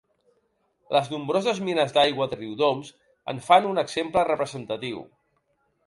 Les nombroses mines d'aigua de Riudoms en fan un exemple representatiu.